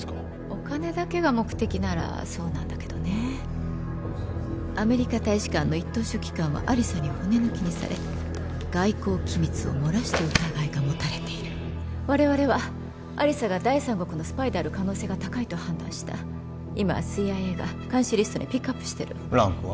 お金だけが目的ならそうなんだけどねアメリカ大使館の一等書記官は亜理紗に骨抜きにされ外交機密をもらした疑いが持たれている我々は亜理紗が第三国のスパイである可能性が高いと判断した今ＣＩＡが監視リストにピックアップしてるランクは？